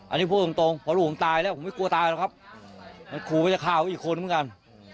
อันนี้พูดตรงพอลูกผมตายแล้วผมไม่กลัวตายหรอกครับมันขู่ว่าจะฆ่าเขาอีกคนเหมือนกัน